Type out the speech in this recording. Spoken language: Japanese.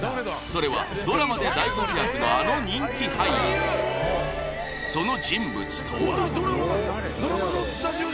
それはドラマで大活躍のあの人気俳優俳優そう